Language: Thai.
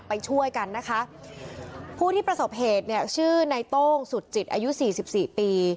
ไปช่วยกันนะคะผู้ที่ประสบเหตุเนี่ยชื่อในโต้งสุดจิตอายุสี่สิบสี่ปี